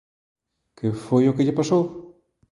Que foi o que lle pasou?